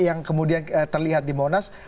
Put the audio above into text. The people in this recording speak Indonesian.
yang kemudian terlihat di monas